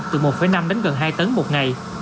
từ một năm đến gần hai tấn một ngày